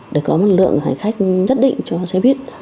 để có một lượng hành khách nhất định cho xe buýt